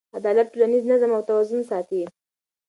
عدالت ټولنیز نظم او توازن ساتي.